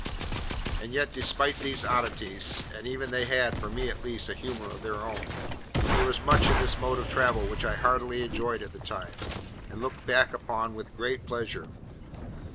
And yet despite these oddities—and even they had, for me at least, a humour of their own—there was much in this mode of travelling which I heartily enjoyed at the time, and look back upon with great pleasure.